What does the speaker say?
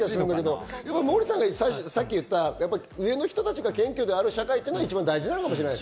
モーリーさんがさっき言った、上の人たちが顕著である社会が一番大事かもしれない。